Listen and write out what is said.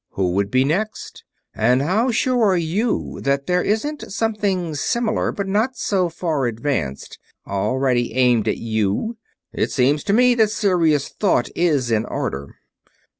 Who would be next? And how sure are you that there isn't something similar, but not so far advanced, already aimed at you? It seems to me that serious thought is in order."